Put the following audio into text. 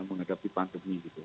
menghadapi pandemi gitu